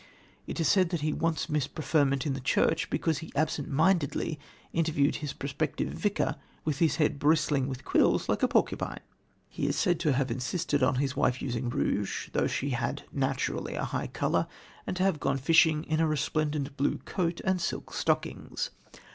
It is said that he once missed preferment in the church because he absentmindedly interviewed his prospective vicar with his head bristling with quills like a porcupine. He is said to have insisted on his wife's using rouge though she had naturally a high colour, and to have gone fishing in a resplendent blue coat and silk stockings.